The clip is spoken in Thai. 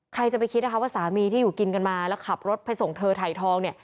ใครจะไปคิดนะคะว่าสามีที่อยู่กินกันมาแล้วขับรถไปส่งเธอถ่ายทองเนี่ย